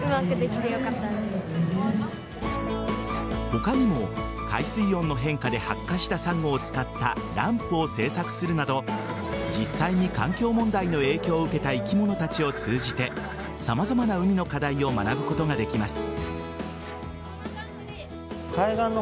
他にも、海水温の変化で白化したサンゴを使ったランプを制作するなど実際に環境問題の影響を受けた生き物たちを通じて様々な海の課題を学ぶことができます。